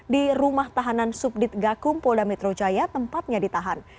di rumah tahanan subdit gakum polda metro jaya tempatnya ditahan